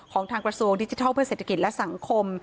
ทางกระทรวงดิจิทัลเพื่อเศรษฐกิจและสังคม